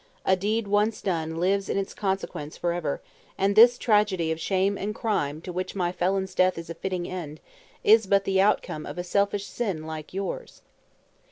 A deed once done lives in its consequence for ever, and this tragedy of shame and crime to which my felon's death is a fitting end, is but the outcome of a selfish sin like yours!"